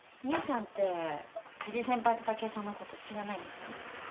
優さんって藤井先輩と武居さんのこと知らないんですか？